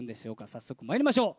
早速、まいりましょう。